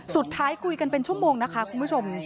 สุดท้ายคุยกันเป็นชั่วโมงนะคะคุณผู้ชม